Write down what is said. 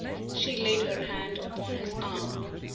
She laid her hand upon his arm.